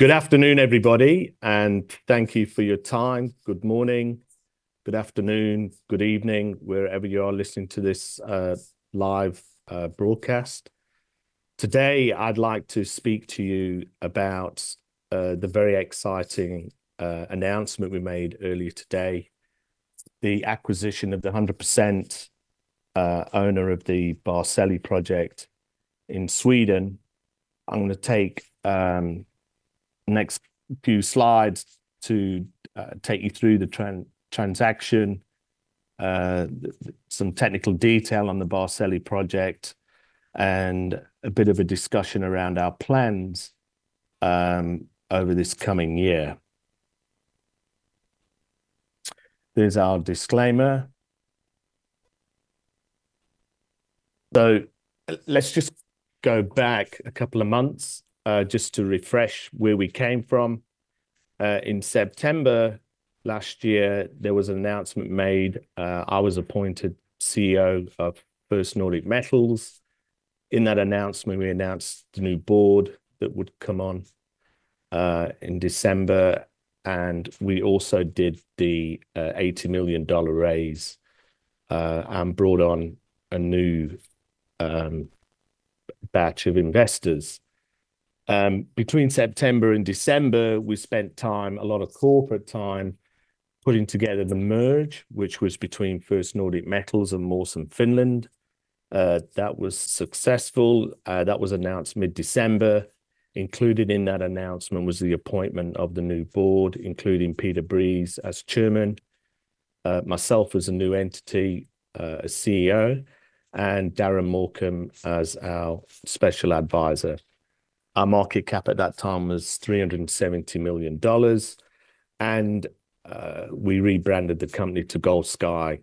Good afternoon, everybody, and thank you for your time. Good morning, good afternoon, good evening, wherever you are listening to this live broadcast. Today, I'd like to speak to you about the very exciting announcement we made earlier today, the acquisition of the 100% owner of the Barsele project in Sweden. I'm gonna take the next few slides to take you through the transaction, some technical detail on the Barsele project, and a bit of a discussion around our plans over this coming year. There's our disclaimer. So let's just go back a couple of months just to refresh where we came from. In September last year, there was an announcement made. I was appointed CEO of First Nordic Metals. In that announcement, we announced the new board that would come on in December, and we also did the $80 million raise, and brought on a new batch of investors. Between September and December, we spent time, a lot of corporate time, putting together the merger, which was between First Nordic Metals and Mawson Finland. That was successful. That was announced mid-December. Included in that announcement was the appointment of the new board, including Peter Breese as chairman, myself as a new entity as CEO, and Darren Morcombe as our special advisor. Our market cap at that time was $370 million, and we rebranded the company to Goldsky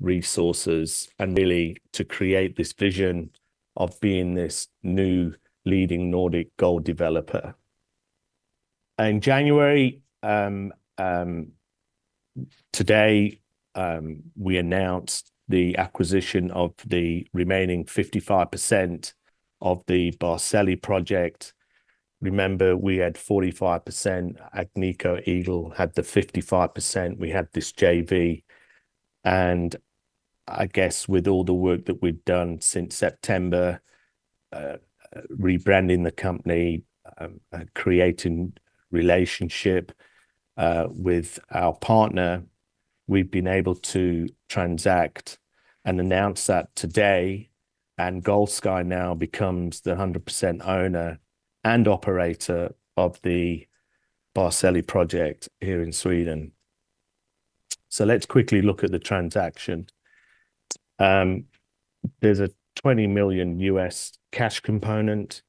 Resources, and really to create this vision of being this new leading Nordic gold developer. In January, today, we announced the acquisition of the remaining 55% of the Barsele project. Remember, we had 45%, Agnico Eagle had the 55%. We had this JV, and I guess with all the work that we've done since September, rebranding the company, creating relationship, with our partner, we've been able to transact and announce that today, and Goldsky now becomes the 100% owner and operator of the Barsele project here in Sweden. So let's quickly look at the transaction. There's a $20 million cash component,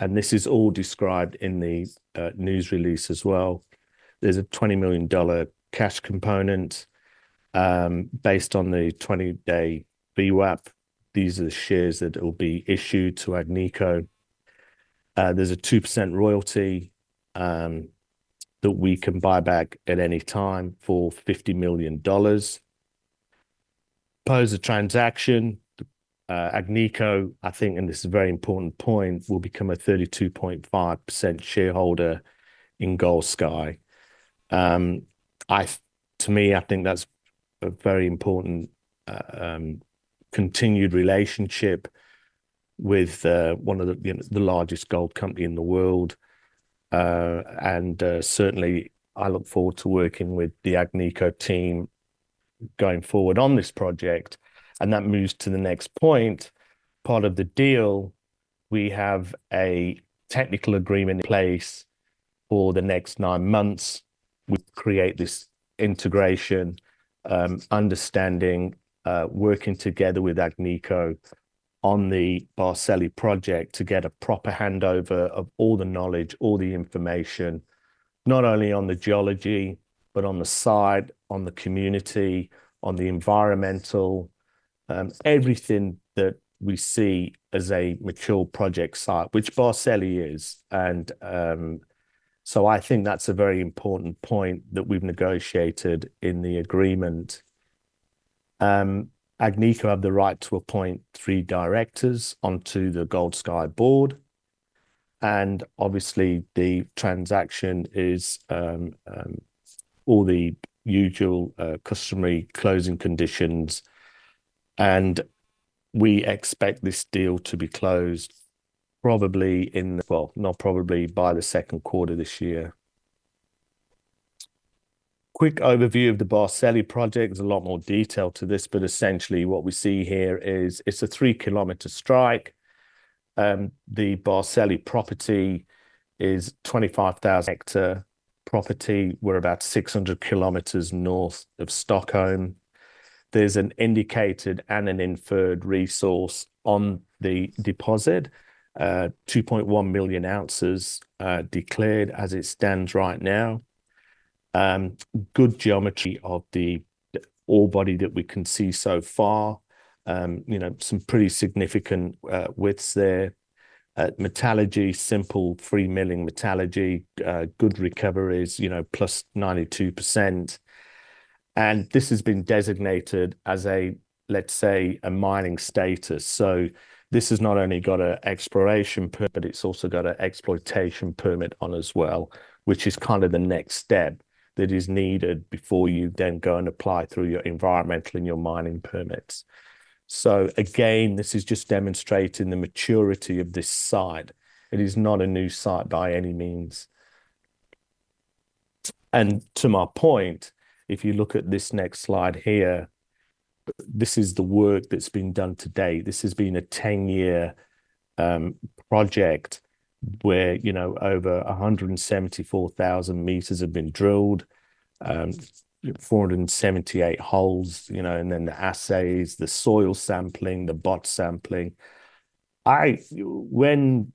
and this is all described in the news release as well. There's a $20 million cash component, based on the 20-day VWAP. These are the shares that will be issued to Agnico. There's a 2% royalty that we can buy back at any time for $50 million. Post the transaction, Agnico, I think, and this is a very important point, will become a 32.5% shareholder in Gold Sky. To me, I think that's a very important continued relationship with one of the, you know, the largest gold company in the world. Certainly, I look forward to working with the Agnico team going forward on this project, and that moves to the next point. Part of the deal, we have a technical agreement in place for the next nine months. We create this integration, understanding, working together with Agnico on the Barsele project to get a proper handover of all the knowledge, all the information, not only on the geology, but on the side, on the community, on the environmental, everything that we see as a mature project site, which Barsele is. And, so I think that's a very important point that we've negotiated in the agreement. Agnico have the right to appoint three directors onto the Gold Sky board, and obviously, the transaction is, all the usual, customary closing conditions, and we expect this deal to be closed probably in the... Well, not probably, by the second quarter this year. Quick overview of the Barsele project. There's a lot more detail to this, but essentially, what we see here is it's a three-kilometer strike. The Barsele property is 25,000-hectare property. We're about 600 kilometers north of Stockholm. There's an indicated and an inferred resource on the deposit, 2.1 million ounces declared as it stands right now. Good geometry of the ore body that we can see so far. You know, some pretty significant widths there. Metallurgy, simple free milling metallurgy, good recoveries, you know, +92%. And this has been designated as a, let's say, a mining status. So this has not only got an exploration permit, but it's also got an exploitation permit on as well, which is kind of the next step that is needed before you then go and apply through your environmental and your mining permits. So again, this is just demonstrating the maturity of this site. It is not a new site by any means. To my point, if you look at this next slide here, this is the work that's been done to date. This has been a ten-year project where, you know, over 174,000 meters have been drilled, 478 holes, you know, and then the assays, the soil sampling, the BOT sampling. When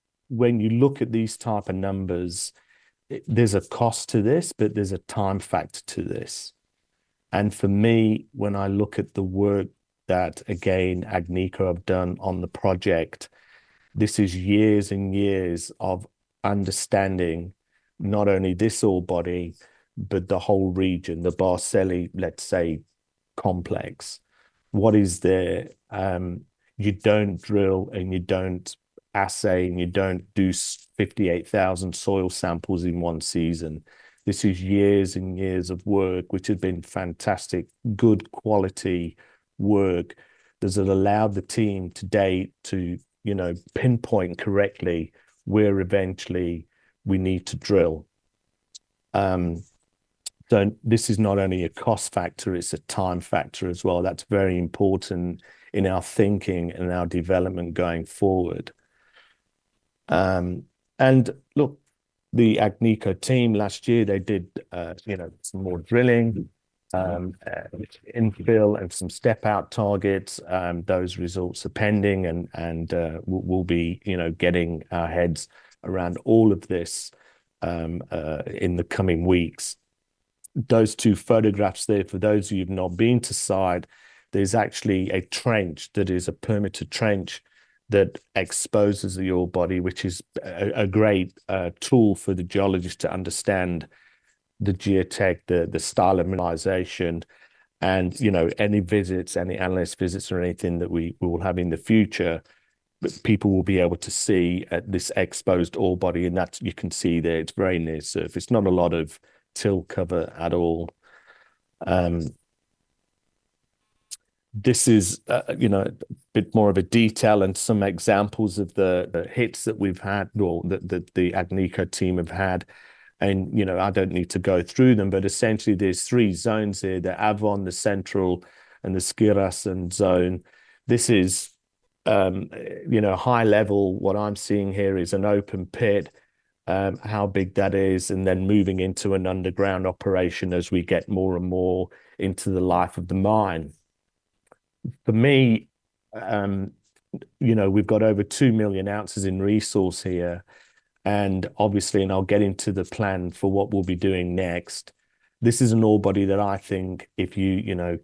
you look at these type of numbers, there's a cost to this, but there's a time factor to this. And for me, when I look at the work that, again, Agnico have done on the project, this is years and years of understanding not only this ore body, but the whole region, the Barsele, let's say, complex. What is there? You don't drill and you don't assay, and you don't do 58,000 soil samples in one season. This is years and years of work, which has been fantastic, good quality work, that has allowed the team to date to, you know, pinpoint correctly where eventually we need to drill. So this is not only a cost factor, it's a time factor as well. That's very important in our thinking and our development going forward. And look, the Agnico team last year, they did, you know, some more drilling, infill and some step-out targets. Those results are pending, and we'll be, you know, getting our heads around all of this, in the coming weeks. Those two photographs there, for those of you who've not been to site, there's actually a trench that is a permitted trench that exposes the ore body, which is a great tool for the geologist to understand the geotech, the style of mineralization. You know, any visits, any analyst visits or anything that we will have in the future, people will be able to see this exposed ore body, and that you can see there it's very near surface. There's not a lot of till cover at all. This is, you know, a bit more of a detail and some examples of the hits that we've had or that the Agnico team have had. You know, I don't need to go through them, but essentially there's three zones here: the Avan, the Central, and the Skiråsen zone. This is, you know, high level. What I'm seeing here is an open pit, how big that is, and then moving into an underground operation as we get more and more into the life of the mine. For me, you know, we've got over 2 million ounces in resource here, and obviously, and I'll get into the plan for what we'll be doing next. This is an ore body that I think if you, you know,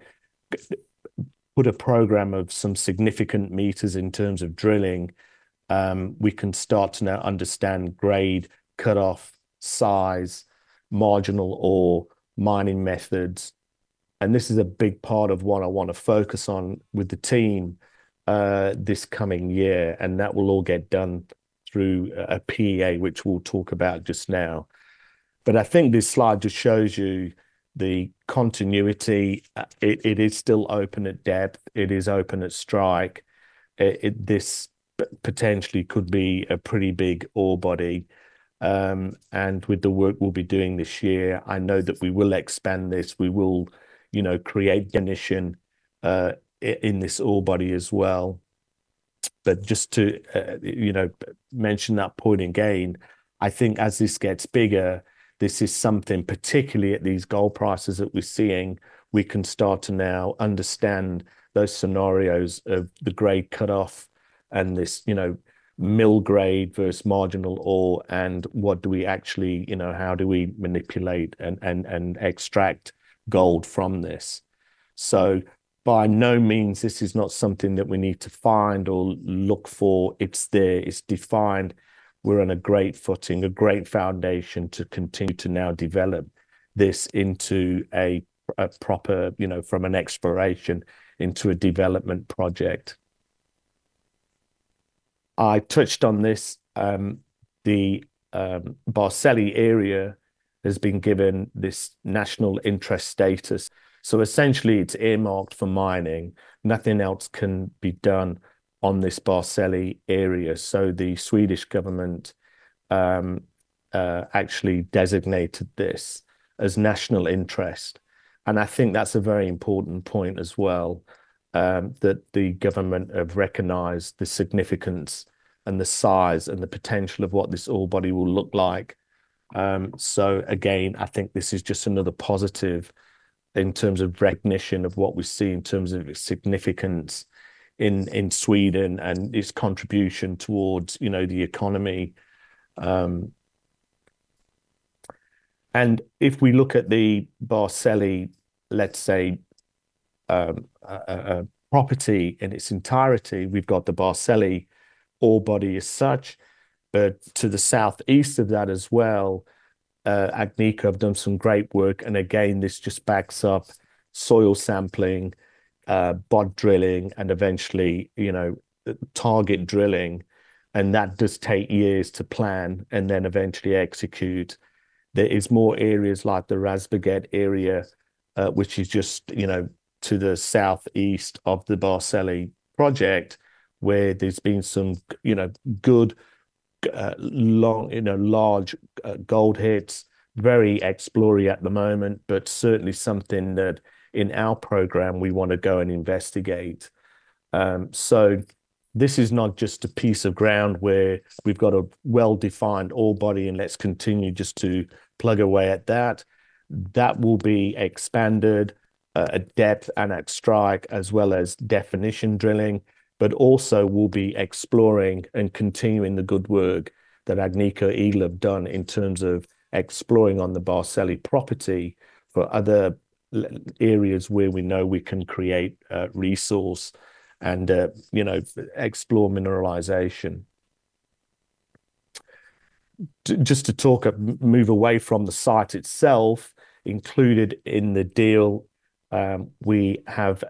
put a program of some significant meters in terms of drilling, we can start to now understand grade, cut-off size, marginal ore mining methods. And that will all get done through a PEA, which we'll talk about just now. But I think this slide just shows you the continuity. It is still open at depth, it is open at strike. This potentially could be a pretty big ore body. And with the work we'll be doing this year, I know that we will expand this. We will, you know, create condition in this ore body as well. But just to, you know, mention that point again, I think as this gets bigger, this is something, particularly at these gold prices that we're seeing, we can start to now understand those scenarios of the grade cut-off and this, you know, mill grade versus marginal ore, and what do we actually... You know, how do we manipulate and extract gold from this? So by no means this is not something that we need to find or look for. It's there, it's defined. We're on a great footing, a great foundation to continue to now develop this into a proper, you know, from an exploration into a development project. I touched on this, the Barsele area has been given this national interest status, so essentially it's earmarked for mining. Nothing else can be done on this Barsele area. So the Swedish government actually designated this as national interest, and I think that's a very important point as well, that the government have recognized the significance and the size and the potential of what this ore body will look like. So again, I think this is just another positive in terms of recognition of what we see in terms of its significance in Sweden and its contribution towards, you know, the economy. And if we look at the Barsele, let's say... property in its entirety. We've got the Barsele ore body as such, but to the southeast of that as well, Agnico have done some great work, and again, this just backs up soil sampling, BOT drilling, and eventually, you know, target drilling, and that does take years to plan and then eventually execute. There is more areas like the Risberget area, which is just, you know, to the southeast of the Barsele project, where there's been some, you know, good, long, you know, large, gold hits. Very exploratory at the moment, but certainly something that in our program we want to go and investigate. So this is not just a piece of ground where we've got a well-defined ore body, and let's continue just to plug away at that. That will be expanded at depth and at strike, as well as definition drilling, but also we'll be exploring and continuing the good work that Agnico Eagle have done in terms of exploring on the Barsele property for other areas where we know we can create resource and, you know, explore mineralization. Just to talk, move away from the site itself, included in the deal, we have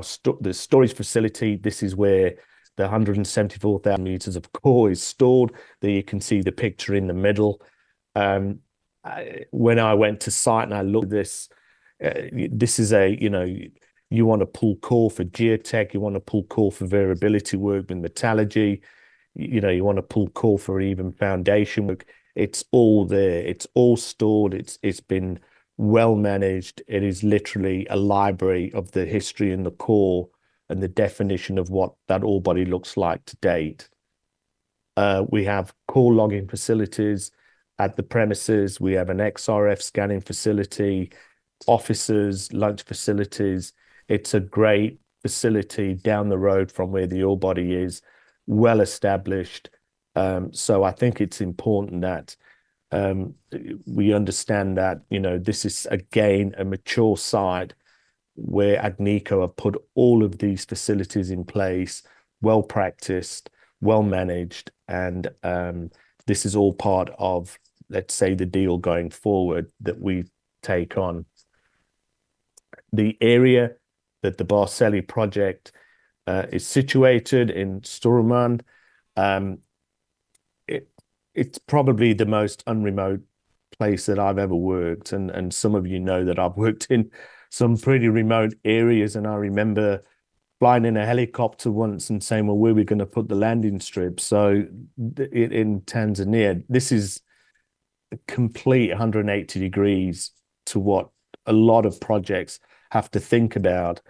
the storage facility. This is where the 174,000 meters of core is stored. There you can see the picture in the middle. When I went to site and I looked at this, this is a, you know. You want to pull core for geotech, you want to pull core for variability work and metallurgy. You know, you want to pull core for even foundation work. It's all there. It's all stored. It's, it's been well-managed. It is literally a library of the history and the core and the definition of what that ore body looks like to date. We have core logging facilities at the premises. We have an XRF scanning facility, offices, lunch facilities. It's a great facility down the road from where the ore body is, well-established. So I think it's important that we understand that, you know, this is, again, a mature site where Agnico have put all of these facilities in place, well-practiced, well-managed, and this is all part of, let's say, the deal going forward that we take on. The area that the Barsele project is situated in Storuman, it, it's probably the most unremote place that I've ever worked, and some of you know that I've worked in some pretty remote areas. And I remember flying in a helicopter once and saying, "Well, where are we going to put the landing strip?" So in Tanzania, this is a complete 180 degrees to what a lot of projects have to think about.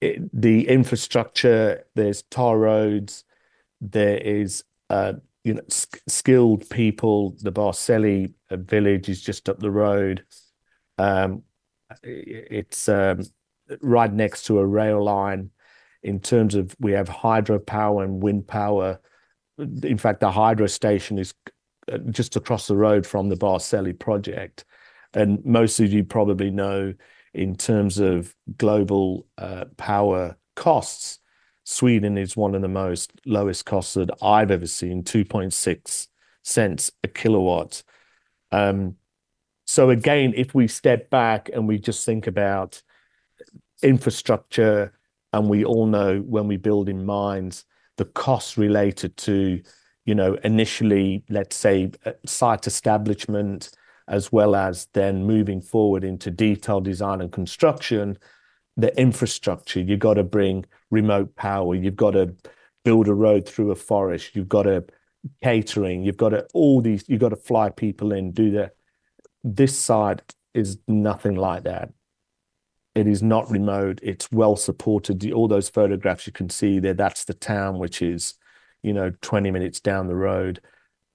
The infrastructure, there's tar roads, there is, you know, skilled people. The Barsele village is just up the road. It's right next to a rail line. In terms of we have hydropower and wind power. In fact, the hydro station is just across the road from the Barsele project. And most of you probably know, in terms of global power costs, Sweden is one of the most lowest costs that I've ever seen, $0.026 a kilowatt. So again, if we step back and we just think about infrastructure, and we all know when we build in mines, the costs related to, you know, initially, let's say, site establishment, as well as then moving forward into detailed design and construction, the infrastructure. You've got to bring remote power, you've got to build a road through a forest, you've got to catering, you've got to all these, you've got to fly people in, do that. This site is nothing like that. It is not remote. It's well-supported. All those photographs you can see there, that's the town, which is, you know, 20 minutes down the road.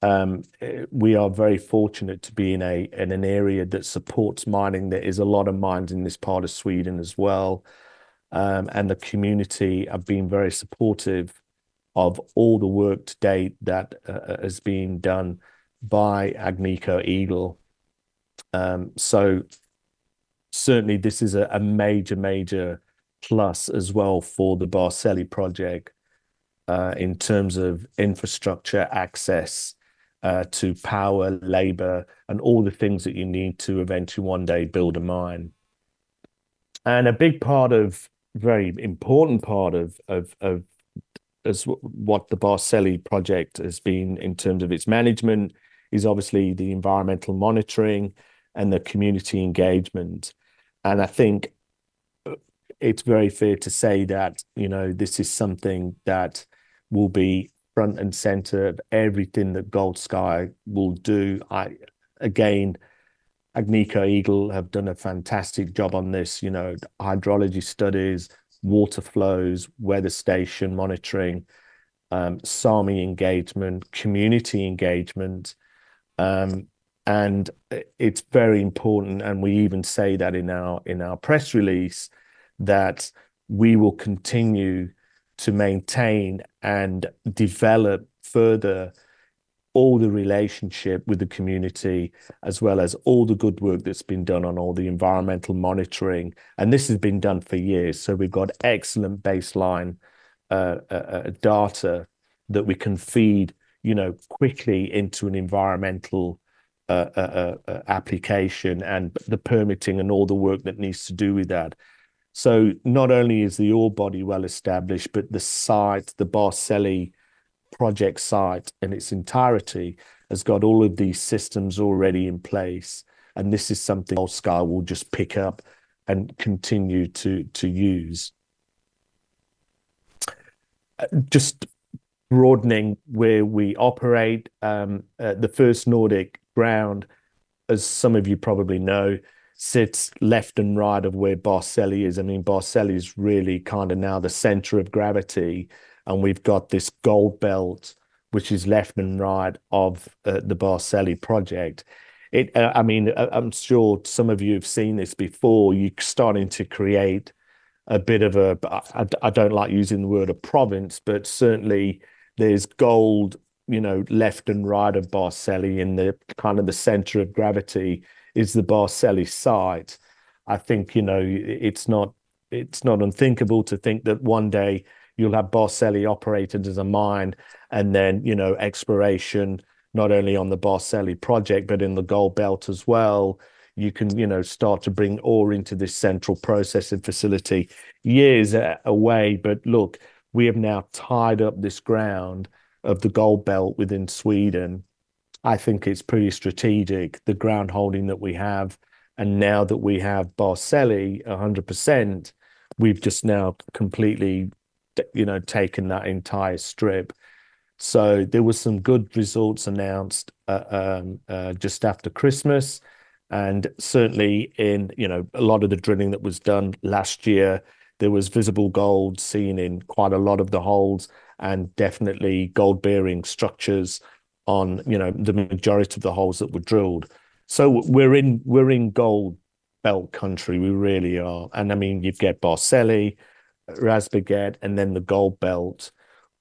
We are very fortunate to be in a, in an area that supports mining. There is a lot of mines in this part of Sweden as well. And the community have been very supportive of all the work to date that is being done by Agnico Eagle. So certainly this is a major, major plus as well for the Barsele project in terms of infrastructure, access to power, labor, and all the things that you need to eventually one day build a mine. And a big part of, very important part of what the Barsele project has been in terms of its management is obviously the environmental monitoring and the community engagement. And I think it's very fair to say that, you know, this is something that will be front and center of everything that Gold Sky will do. I again, Agnico Eagle have done a fantastic job on this, you know, hydrology studies, water flows, weather station monitoring, Sámi engagement, community engagement. And it's very important, and we even say that in our press release, that we will continue to maintain and develop further all the relationship with the community, as well as all the good work that's been done on all the environmental monitoring. And this has been done for years, so we've got excellent baseline data that we can feed, you know, quickly into an environmental application, and the permitting and all the work that needs to do with that. So not only is the ore body well-established, but the site, the Barsele project site in its entirety, has got all of these systems already in place, and this is something Gold Sky will just pick up and continue to use. Just broadening where we operate, the First Nordic ground, as some of you probably know, sits left and right of where Barsele is. I mean, Barsele is really kind of now the center of gravity, and we've got this gold belt, which is left and right of, the Barsele project. It, I mean, I'm sure some of you have seen this before, you're starting to create a bit of a I don't like using the word a province, but certainly there's gold, you know, left and right of Barsele, and the kind of the center of gravity is the Barsele site. I think, you know, it's not, it's not unthinkable to think that one day you'll have Barsele operated as a mine and then, you know, exploration, not only on the Barsele project, but in the gold belt as well. You can, you know, start to bring ore into this central processing facility years away, but look, we have now tied up this ground of the Gold Line Belt within Sweden. I think it's pretty strategic, the ground holding that we have, and now that we have Barsele 100%, we've just now completely, you know, taken that entire strip. So there were some good results announced just after Christmas, and certainly in, you know, a lot of the drilling that was done last year, there was visible gold seen in quite a lot of the holes, and definitely gold-bearing structures on, you know, the majority of the holes that were drilled. So we're in, we're in Gold Line Belt country. We really are. And I mean, you've got Barsele, Risberget, and then the Gold Line Belt.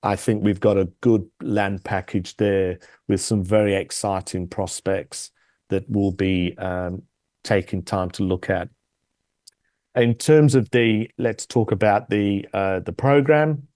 I think we've got a good land package there with some very exciting prospects that we'll be taking time to look at. In terms of the... Let's talk about the program.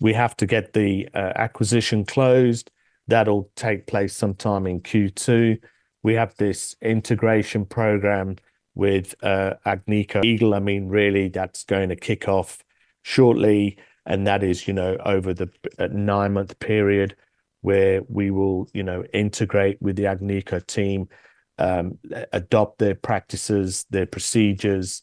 We have to get the acquisition closed. That'll take place sometime in Q2. We have this integration program with Agnico Eagle. I mean, really, that's going to kick off shortly, and that is, you know, over the nine-month period where we will, you know, integrate with the Agnico team, adopt their practices, their procedures.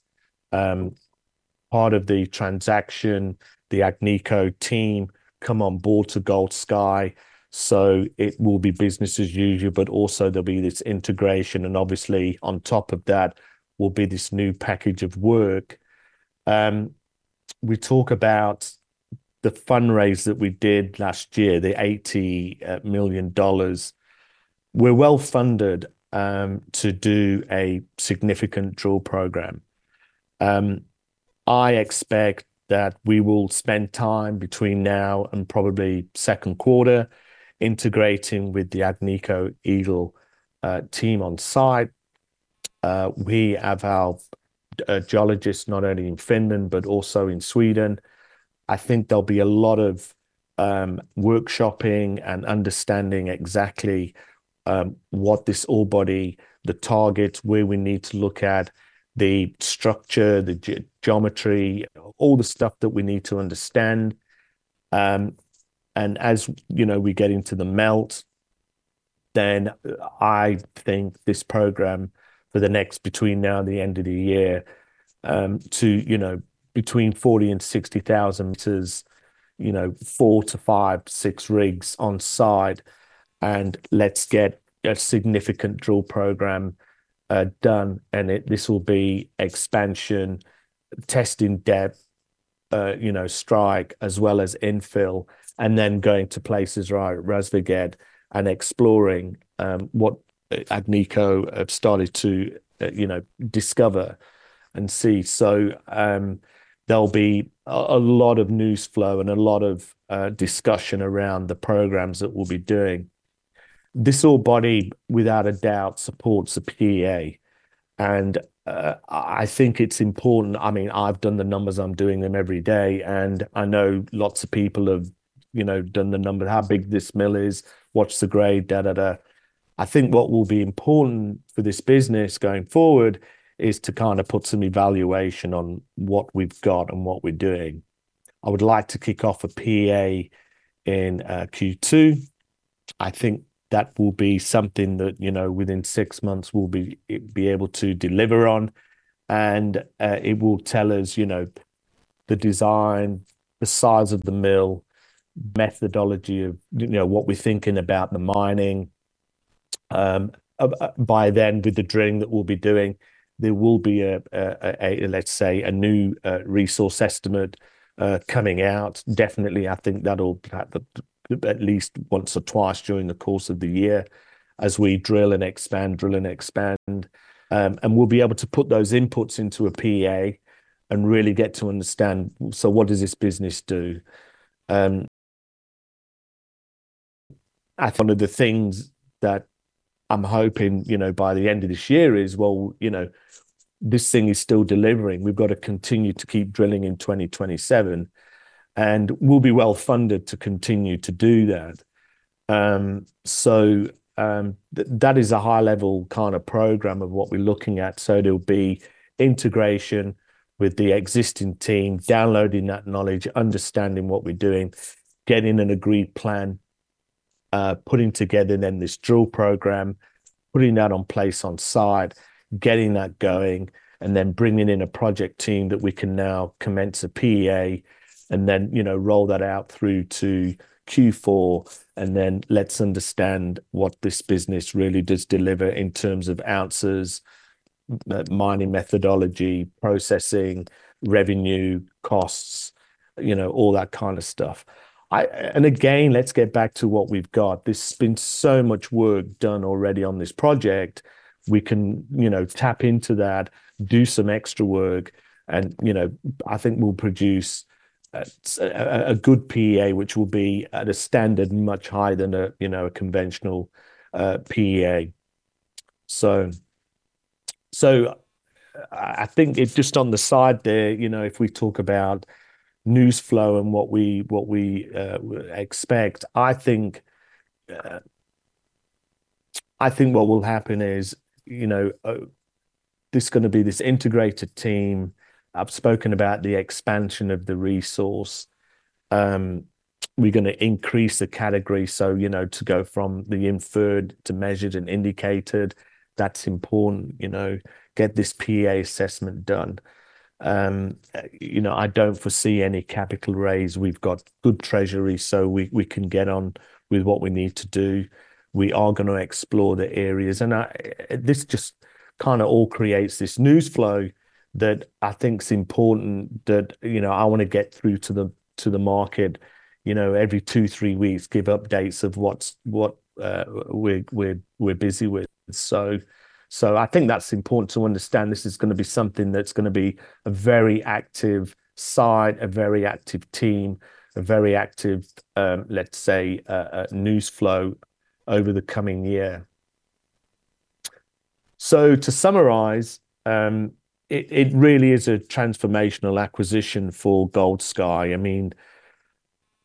Part of the transaction, the Agnico team come on board to Gold Sky, so it will be business as usual, but also there'll be this integration, and obviously, on top of that will be this new package of work. We talk about the fundraise that we did last year, the $80 million. We're well funded to do a significant drill program. I expect that we will spend time between now and probably second quarter integrating with the Agnico Eagle team on site. We have our geologists, not only in Finland but also in Sweden. I think there'll be a lot of workshopping and understanding exactly what this ore body, the targets, where we need to look at the structure, the geometry, all the stuff that we need to understand. And as you know, we get into the melt, then I think this program for the next, between now and the end of the year, to you know, between 40,000 and 60,000 meters, you know, 4 to 5, 6 rigs on site, and let's get a significant drill program done. And this will be expansion, testing depth, you know, strike, as well as infill, and then going to places like Risberget and exploring what Agnico have started to, you know, discover and see. So, there'll be a lot of news flow and a lot of discussion around the programs that we'll be doing. This ore body, without a doubt, supports a PEA, and I think it's important. I mean, I've done the numbers, I'm doing them every day, and I know lots of people have, you know, done the numbers. How big this mill is? What's the grade? Da, da, da. I think what will be important for this business going forward is to kind of put some evaluation on what we've got and what we're doing. I would like to kick off a PEA in Q2. I think that will be something that, you know, within six months we'll be able to deliver on, and it will tell us, you know, the design, the size of the mill, methodology of, you know, what we're thinking about the mining. By then, with the drilling that we'll be doing, there will be a, let's say, a new resource estimate coming out. Definitely, I think that'll happen at least once or twice during the course of the year as we drill and expand, drill and expand. And we'll be able to put those inputs into a PEA and really get to understand, so what does this business do? I think one of the things that I'm hoping, you know, by the end of this year is, well, you know, this thing is still delivering. We've got to continue to keep drilling in 2027, and we'll be well-funded to continue to do that. So, that, that is a high-level kind of program of what we're looking at. So there'll be integration with the existing team, downloading that knowledge, understanding what we're doing, getting an agreed plan, putting together then this drill program, putting that on place on site, getting that going, and then bringing in a project team that we can now commence a PEA and then, you know, roll that out through to Q4, and then let's understand what this business really does deliver in terms of ounces, mining methodology, processing, revenue, costs, you know, all that kind of stuff. And again, let's get back to what we've got. There's been so much work done already on this project. We can, you know, tap into that, do some extra work and, you know, I think we'll produce a good PEA, which will be at a standard much higher than a conventional PEA. So I think if just on the side there, you know, if we talk about news flow and what we expect, I think what will happen is, you know, there's gonna be this integrated team. I've spoken about the expansion of the resource. We're gonna increase the category, so, you know, to go from the inferred to measured and indicated, that's important. You know, get this PEA assessment done. You know, I don't foresee any capital raise. We've got good treasury, so we can get on with what we need to do. We are gonna explore the areas, and this just kind of all creates this news flow that I think is important, that, you know, I want to get through to the, to the market. You know, every two, three weeks, give updates of what's, what we're, we're busy with. So, so I think that's important to understand. This is gonna be something that's gonna be a very active site, a very active team, a very active, let's say, a news flow over the coming year. So to summarise, it really is a transformational acquisition for Gold Sky. I mean,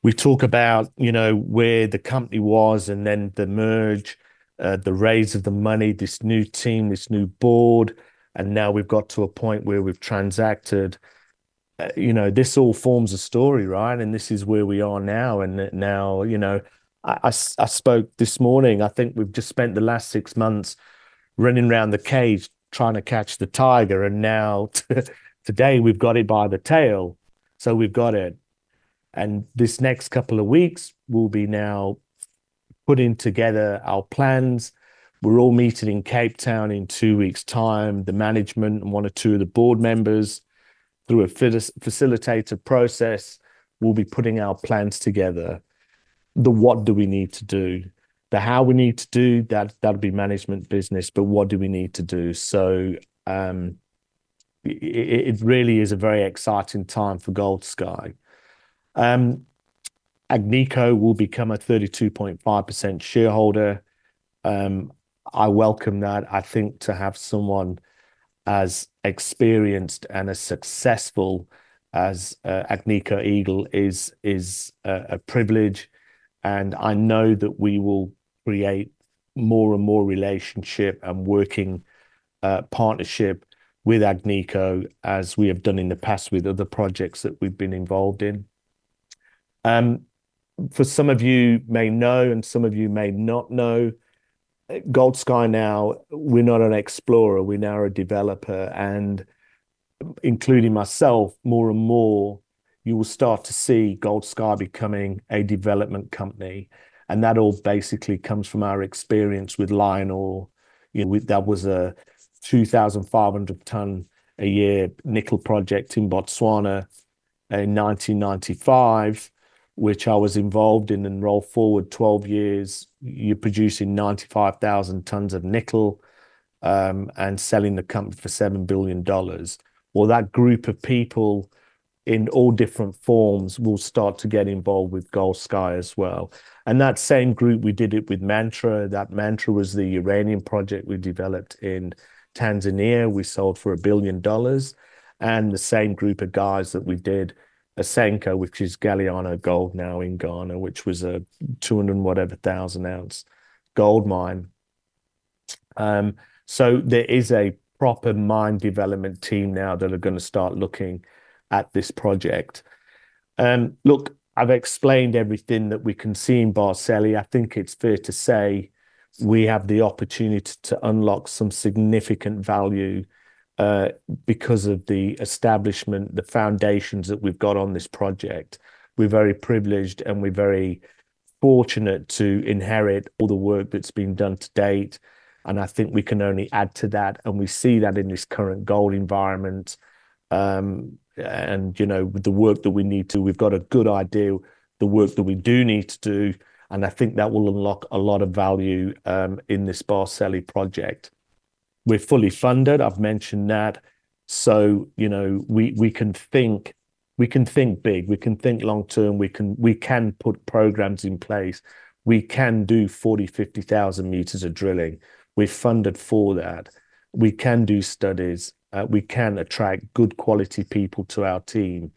we talk about, you know, where the company was and then the merge, the raise of the money, this new team, this new board, and now we've got to a point where we've transacted. You know, this all forms a story, right? And this is where we are now, and now, you know. I spoke this morning. I think we've just spent the last six months running around the cage trying to catch the tiger, and now, today, we've got it by the tail. So we've got it, and this next couple of weeks, we'll be now putting together our plans. We're all meeting in Cape Town in two weeks' time. The management and one or two of the board members, through a facilitator process, will be putting our plans together. The what do we need to do? The how we need to do, that, that'll be management business. But what do we need to do? So, it really is a very exciting time for Gold Sky. Agnico will become a 32.5% shareholder. I welcome that. I think to have someone as experienced and as successful as Agnico Eagle is a privilege, and I know that we will create more and more relationship and working partnership with Agnico, as we have done in the past with other projects that we've been involved in. For some of you may know, and some of you may not know, Gold Sky now, we're not an explorer, we're now a developer, and including myself, more and more, you will start to see Gold Sky becoming a development company. And that all basically comes from our experience with LionOre. You know, with that was a 2,500 tonne a year nickel project in Botswana in 1995, which I was involved in, and roll forward 12 years, you're producing 95,000 tonnes of nickel, and selling the company for $7 billion. Well, that group of people, in all different forms, will start to get involved with Goldsky as well. That same group, we did it with Mantra. That Mantra was the uranium project we developed in Tanzania. We sold for $1 billion, and the same group of guys that we did Asanko, which is Galiano Gold now in Ghana, which was a 200 and whatever thousand ounce gold mine. So there is a proper mine development team now that are gonna start looking at this project. Look, I've explained everything that we can see in Barsele. I think it's fair to say we have the opportunity to unlock some significant value, because of the establishment, the foundations that we've got on this project. We're very privileged, and we're very fortunate to inherit all the work that's been done to date, and I think we can only add to that, and we see that in this current gold environment. And, you know, with the work that we need to, we've got a good idea, the work that we do need to do, and I think that will unlock a lot of value, in this Barsele project. We're fully funded. I've mentioned that. So, you know, we, we can think, we can think big, we can think long term. We can, we can put programs in place. We can do 40-50,000 meters of drilling. We're funded for that. We can do studies. We can attract good quality people to our team.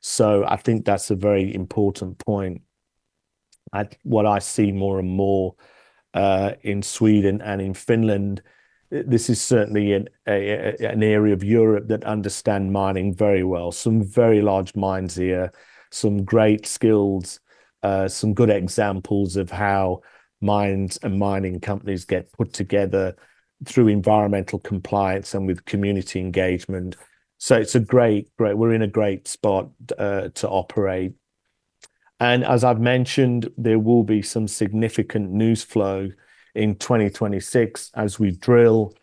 So I think that's a very important point. And what I see more and more in Sweden and in Finland, this is certainly an area of Europe that understand mining very well. Some very large mines here, some great skills, some good examples of how mines and mining companies get put together through environmental compliance and with community engagement. So it's a great great we're in a great spot to operate. And as I've mentioned, there will be some significant news flow in 2026 as we drill,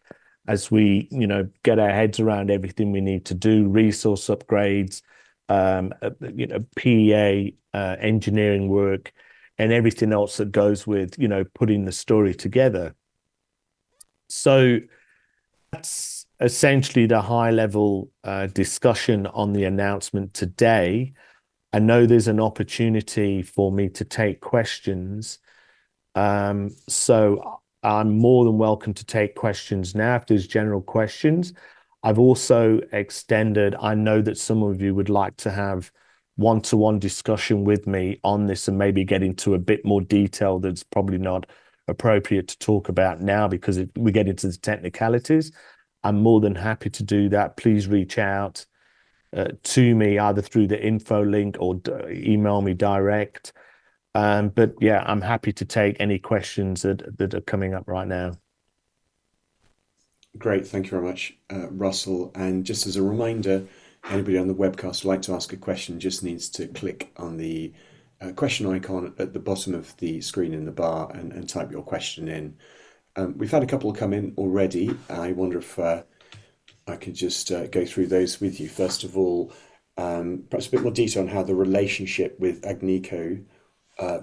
as we you know get our heads around everything we need to do, resource upgrades, you know PEA engineering work, and everything else that goes with you know putting the story together. So that's essentially the high-level discussion on the announcement today. I know there's an opportunity for me to take questions. So I'm more than welcome to take questions now, if there's general questions. I've also extended... I know that some of you would like to have one-to-one discussion with me on this and maybe get into a bit more detail that's probably not appropriate to talk about now, because we get into the technicalities. I'm more than happy to do that. Please reach out to me, either through the info link or email me direct. But yeah, I'm happy to take any questions that are coming up right now. Great. Thank you very much, Russell. And just as a reminder, anybody on the webcast who'd like to ask a question, just needs to click on the question icon at the bottom of the screen in the bar and type your question in. We've had a couple come in already. I wonder if I could just go through those with you. First of all, perhaps a bit more detail on how the relationship with Agnico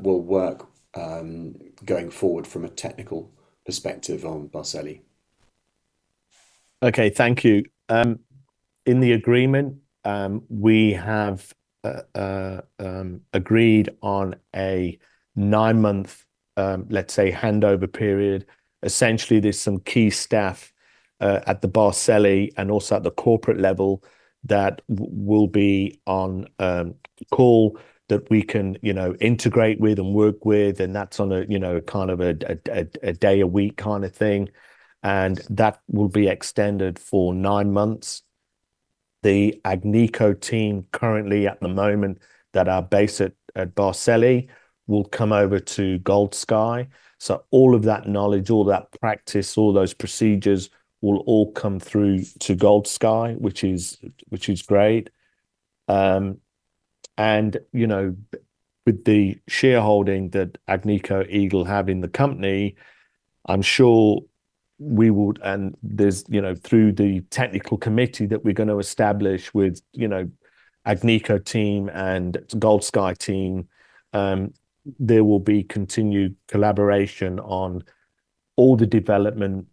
will work going forward from a technical perspective on Barsele. Okay. Thank you. In the agreement, we have agreed on a nine-month, let's say, handover period. Essentially, there's some key staff at the Barsele and also at the corporate level, that will be on call, that we can, you know, integrate with and work with, and that's on a, you know, kind of a day a week kind of thing, and that will be extended for nine months. The Agnico team currently, at the moment, that are based at Barsele, will come over to Goldsky. So all of that knowledge, all that practice, all those procedures will all come through to Goldsky, which is great. And, you know, with the shareholding that Agnico Eagle have in the company, I'm sure we would... And there's, you know, through the technical committee that we're gonna establish with, you know, Agnico team and Goldsky team, there will be continued collaboration on all the development,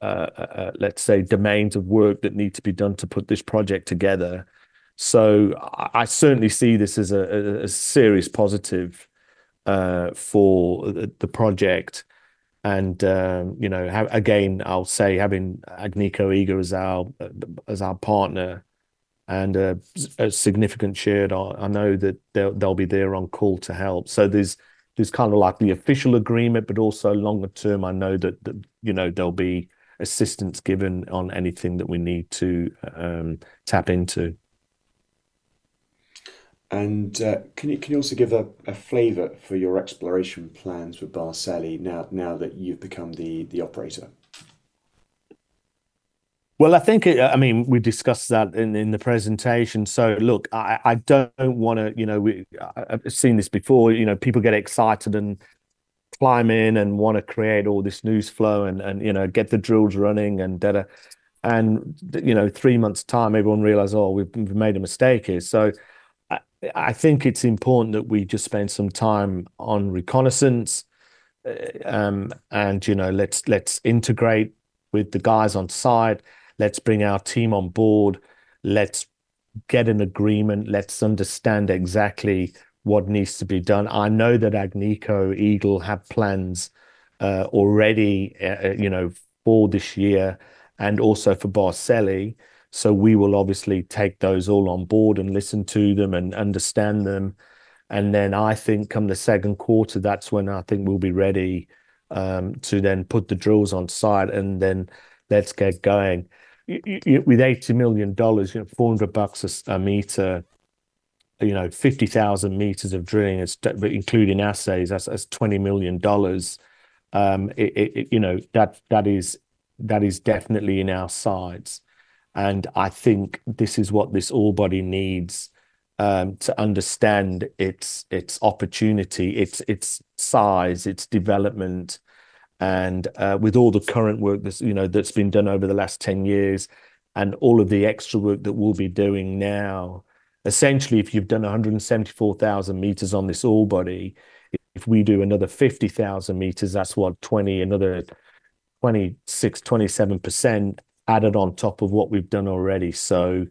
let's say, domains of work that need to be done to put this project together. So I certainly see this as a serious positive for the project. And, you know, again, I'll say, having Agnico Eagle as our partner and a significant shareholder, I know that they'll be there on call to help. So there's kind of like the official agreement, but also longer term, I know that you know, there'll be assistance given on anything that we need to tap into. Can you also give a flavor for your exploration plans with Barsele now that you've become the operator? Well, I think, I mean, we've discussed that in the presentation. So look, I don't wanna, you know... I've seen this before. You know, people get excited and climb in and wanna create all this news flow and, and, you know, get the drills running and da da. And, you know, three months' time, everyone realize, "Oh, we've made a mistake here." So, I think it's important that we just spend some time on reconnaissance, and, you know, let's integrate with the guys on site. Let's bring our team on board, let's get an agreement, let's understand exactly what needs to be done. I know that Agnico Eagle have plans already, you know, for this year and also for Barsele, so we will obviously take those all on board and listen to them and understand them. And then, I think, come the second quarter, that's when I think we'll be ready to then put the drills on site, and then let's get going. With $80 million, you know, $400 a meter, you know, 50,000 meters of drilling, including assays, that's $20 million. You know, that is definitely in our sights, and I think this is what this ore body needs to understand its opportunity, its size, its development. With all the current work that's, you know, that's been done over the last 10 years, and all of the extra work that we'll be doing now, essentially, if you've done 174,000 meters on this ore body, if we do another 50,000 meters, that's what, 20, another-... 26%-27% added on top of what we've done already. So,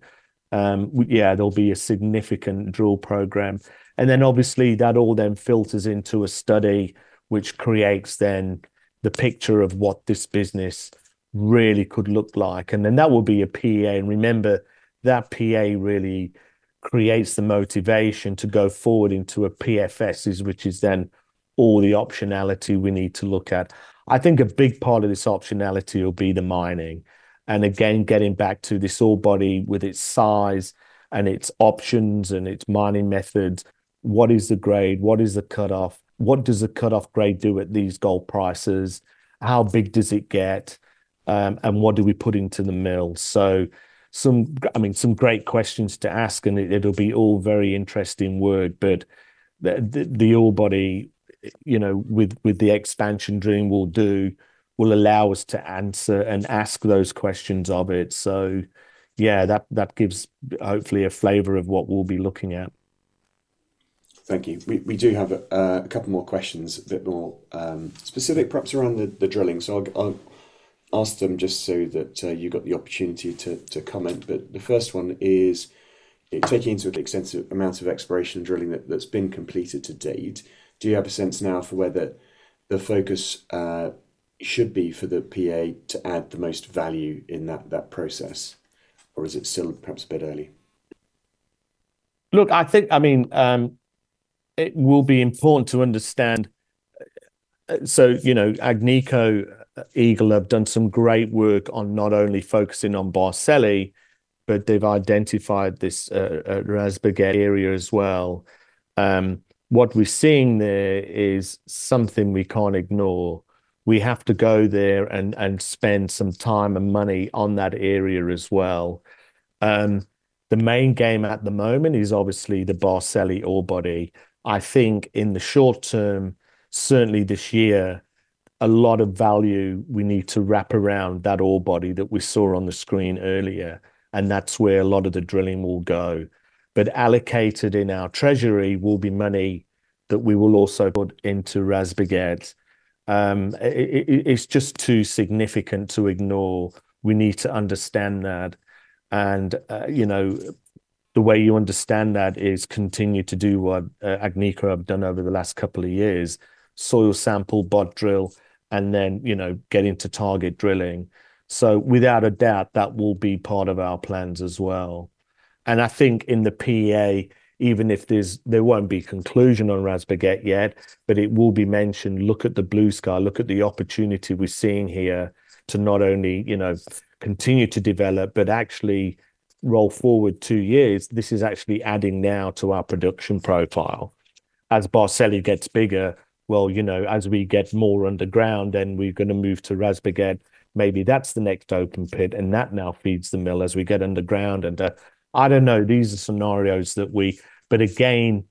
yeah, there'll be a significant drill program. And then obviously, that all then filters into a study, which creates then the picture of what this business really could look like, and then that will be a PEA. And remember, that PEA really creates the motivation to go forward into a PFS, which is then all the optionality we need to look at. I think a big part of this optionality will be the mining, and again, getting back to this ore body with its size, and its options, and its mining methods. What is the grade? What is the cut-off? What does the cut-off grade do at these gold prices? How big does it get, and what do we put into the mill? So, I mean, some great questions to ask, and it'll be all very interesting work, but the ore body, you know, with the expansion drilling will allow us to answer and ask those questions of it. So yeah, that gives hopefully a flavor of what we'll be looking at. Thank you. We do have a couple more questions that are specific perhaps around the drilling. So I'll ask them just so that you've got the opportunity to comment. But the first one is taking into account the extensive amounts of exploration drilling that's been completed to date, do you have a sense now for where the focus should be for the PEA to add the most value in that process? Or is it still perhaps a bit early? Look, I think. I mean, it will be important to understand. So, you know, Agnico Eagle have done some great work on not only focusing on Barsele, but they've identified this, Risberget area as well. What we're seeing there is something we can't ignore. We have to go there and spend some time and money on that area as well. The main game at the moment is obviously the Barsele ore body. I think in the short term, certainly this year, a lot of value we need to wrap around that ore body that we saw on the screen earlier, and that's where a lot of the drilling will go. But allocated in our treasury will be money that we will also put into Risberget. It's just too significant to ignore. We need to understand that. You know, the way you understand that is continue to do what Agnico have done over the last couple of years: soil sample, BOT drill, and then, you know, get into target drilling. So without a doubt, that will be part of our plans as well. And I think in the PEA, even if there's... There won't be conclusion on Risberget yet, but it will be mentioned. Look at the blue sky. Look at the opportunity we're seeing here to not only, you know, continue to develop, but actually roll forward two years. This is actually adding now to our production profile. As Barsele gets bigger, well, you know, as we get more underground, then we're gonna move to Risberget. Maybe that's the next open pit, and that now feeds the mill as we get underground. And, I don't know, these are scenarios that we... But again,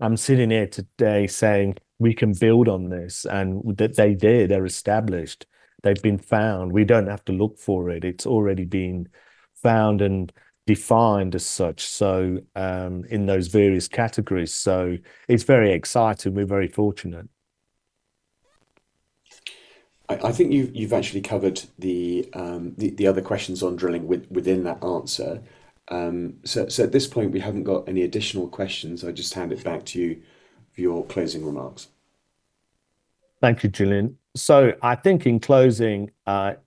I'm sitting here today saying we can build on this, and they did. They're established. They've been found. We don't have to look for it. It's already been found and defined as such, so in those various categories. So it's very exciting. We're very fortunate. I think you've actually covered the other questions on drilling within that answer. At this point, we haven't got any additional questions. I'll just hand it back to you for your closing remarks. Thank you, Julian. So I think in closing, it's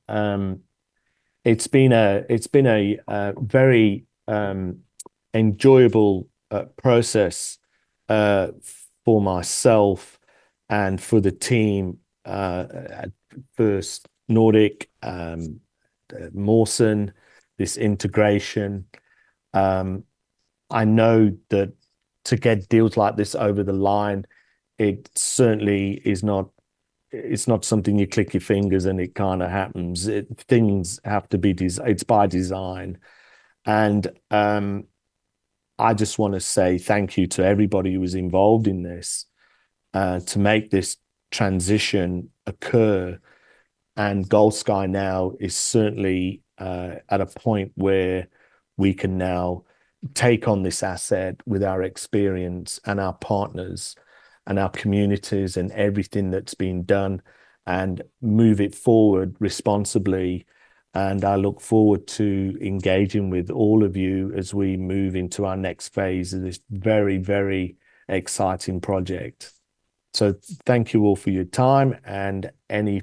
been a very enjoyable process for myself and for the team at First Nordic, Mawson, this integration. I know that to get deals like this over the line, it certainly is not, it's not something you click your fingers, and it kind of happens. Things have to be, it's by design. And I just wanna say thank you to everybody who was involved in this to make this transition occur. And Gold Sky now is certainly at a point where we can now take on this asset with our experience, and our partners, and our communities, and everything that's been done, and move it forward responsibly. I look forward to engaging with all of you as we move into our next phase of this very, very exciting project. Thank you all for your time, and any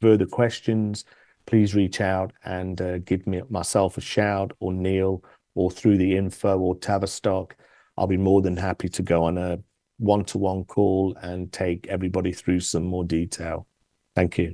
further questions, please reach out and, give me, myself a shout or Neil, or through the info or Tavistock. I'll be more than happy to go on a one-to-one call and take everybody through some more detail. Thank you.